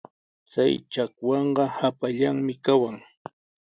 Chay chakwanqa hapallanmi kawan.